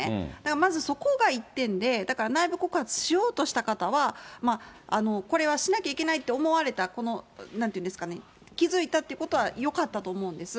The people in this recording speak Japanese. まずそこが１点で、だから内部告発しようとした方は、これはしなきゃいけないと思われた、この、なんていうんですか、気付いたということはよかったと思うんです。